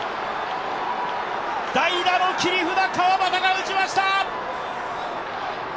代打の切り札、川端が打ちました！